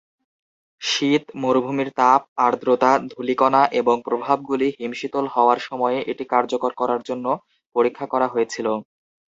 শীত, মরুভূমির তাপ, আর্দ্রতা, ধূলিকণা এবং প্রভাবগুলি হিমশীতল হওয়ার সময়ে এটি কার্যকর করার জন্য পরীক্ষা করা হয়েছিল।